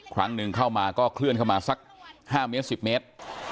ครั้งหนึ่งเข้ามาก็เคลื่อนเข้ามาสัก๕เมตร๑๐เมตร